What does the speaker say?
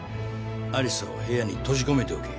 有沙を部屋に閉じ込めておけ。